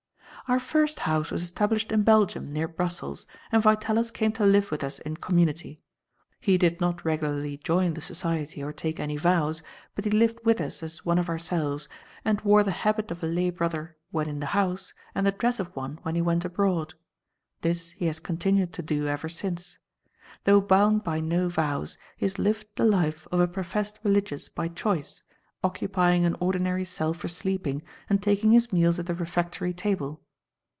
"Our first house was established in Belgium, near Brussels, and Vitalis came to live with us in community. He did not regularly join the society or take any vows, but he lived with us as one of ourselves and wore the habit of a lay brother when in the house and the dress of one when he went abroad. This he has continued to do ever since. Though bound by no vows, he has lived the life of a professed religious by choice, occupying an ordinary cell for sleeping and taking his meals at the refectory table.